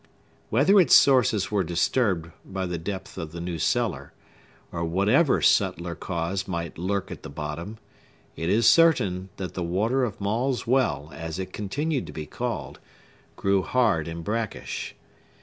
Whether its sources were disturbed by the depth of the new cellar, or whatever subtler cause might lurk at the bottom, it is certain that the water of Maule's Well, as it continued to be called, grew hard and brackish.